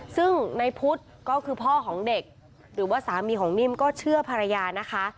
ซึ่งในพุทธก็คือพ่อของเด็กหรือว่าสามีของนิ่มก็เชื่อภรรยานะคะ